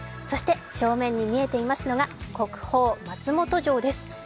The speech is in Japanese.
そして正面に見えていますのが国宝・松本城です。